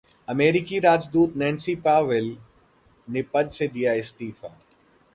अमेरिकी राजदूत Nancy Powell ने पद से दिया इस्तीफा